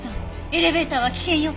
エレベーターは危険よ。